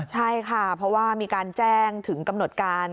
ใช่ค่ะเพราะว่ามีการแจ้งถึงกำหนดการ